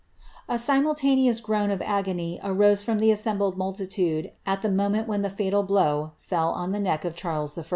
A simultaneous groan of agony arose from the assembled multitude at the moment when the fatal blow fell on the neck of Charles I.